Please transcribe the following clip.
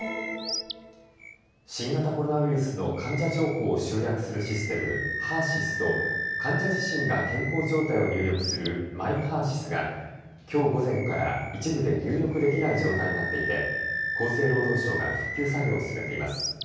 新型コロナウイルスの患者情報を集約するシステム、ＨＥＲーＳＹＳと患者自身が健康状態を入力するＭｙＨＥＲ−ＳＹＳがきょう午前から一部で入力できない状態になっていて厚生労働省が復旧作業を進めています。